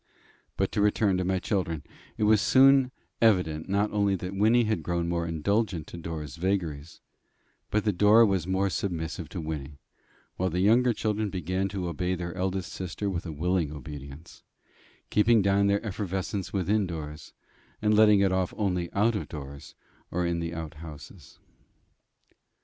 But to return to my children it was soon evident not only that Wynnie had grown more indulgent to Dora's vagaries, but that Dora was more submissive to Wynnie, while the younger children began to obey their eldest sister with a willing obedience, keeping down their effervescence within doors, and letting it off only out of doors, or in the out houses.